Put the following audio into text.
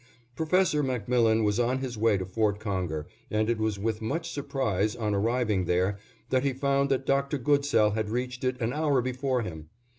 Professor MacMillan was on his way to Fort Conger and it was with much surprise, on arriving there, that he found that Dr. Goodsell had reached it an hour before him.